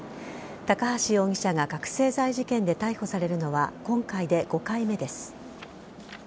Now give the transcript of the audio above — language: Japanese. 高橋容疑者が覚醒剤事件で逮捕されるのは今回で５回目です。